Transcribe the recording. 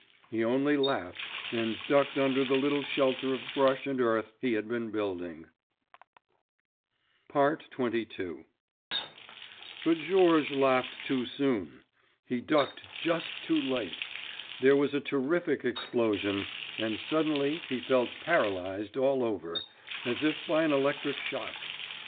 he only laughed and ducked under the little shelter of brush and earth he had been building. XXII But Georges laughed too soon, he ducked just too late! There was a terrific explosion, and suddenly he felt paralyzed all over—as if by an electric shock.